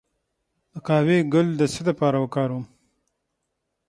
د قهوې ګل د څه لپاره وکاروم؟